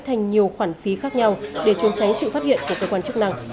thành nhiều khoản phí khác nhau để chốn cháy sự phát hiện của cơ quan chức năng